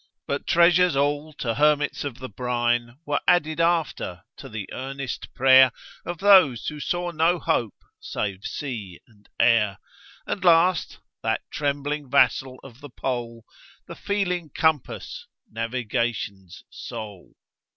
But treasures all to hermits of the brine, Were added after, to the earnest prayer Of those who saw no hope save sea and air; And last, that trembling vassal of the Pole, The feeling compass, Navigation's soul.